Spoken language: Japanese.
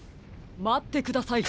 まってください